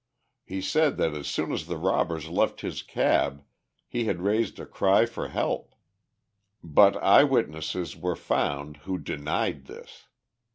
He said that as soon as the robbers left his cab he had raised a cry for help. But eye witnesses were found who denied this.